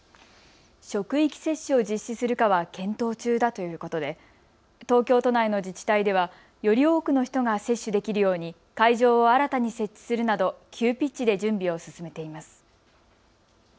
職域接種を実施するかは検討中だということで東京都内の自治体ではより多くの人が接種できるように会場を新たに設置するなど急ピッチで準備を進めています。